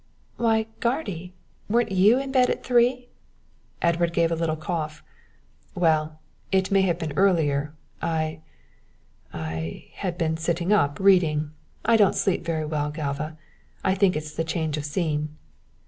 "Why, guardy! weren't you in bed at three?" Edward gave a little cough. "Well it may have been earlier. I I had been sitting up reading. I don't sleep very well, Galva. I think it's the change of scene."